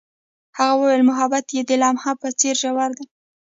هغې وویل محبت یې د لمحه په څېر ژور دی.